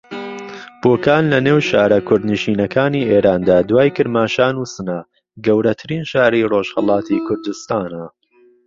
بۆکان لە نێو شارە کوردنشینەکانی ئێراندا دوای کرماشان و سنە گەورەترین شاری ڕۆژھەڵاتی کوردستانە